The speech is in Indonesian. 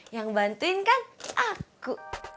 yang bantuin kan aku